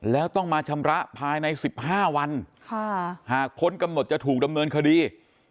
แล้วต้องมาชำระภายใน๑๕วันหากพ้นกำหนดจะถูกดำเนินคดี